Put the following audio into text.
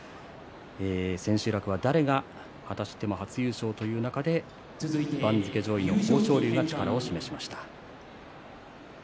千秋楽は誰が果たしても初優勝という中で番付上位の豊昇龍が力を示しました。